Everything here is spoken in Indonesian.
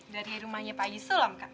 dari rumahnya pak ji sulam kak